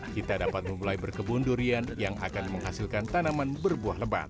kita dapat memulai berkebun durian yang akan menghasilkan tanaman berbuah lebat